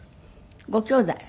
ごきょうだい。